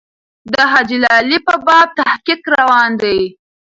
د حاجي لالي په باب تحقیق روان دی.